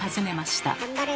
頑張れ。